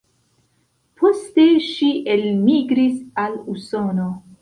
Poste ŝi elmigris al Usono.